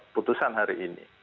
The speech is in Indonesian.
putusan hari ini